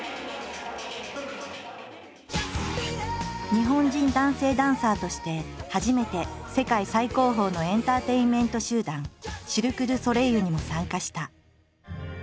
日本人男性ダンサーとして初めて世界最高峰のエンターテインメント集団シルク・ドゥ・ソレイユにも参加した。